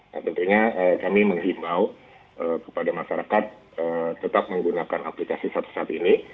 nah tentunya kami menghimbau kepada masyarakat tetap menggunakan aplikasi satu saat ini